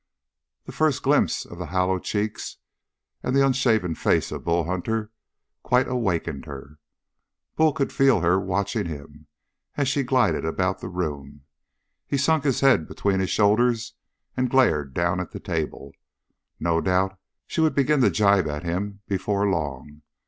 The first glimpse of the hollow cheeks and the unshaven face of Bull Hunter quite awakened her. Bull could feel her watching him, as she glided about the room. He sunk his head between his shoulders and glared down at the table. No doubt she would begin to gibe at him before long.